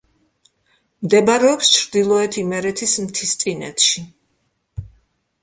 მდებარეობს ჩრდილოეთ იმერეთის მთისწინეთში.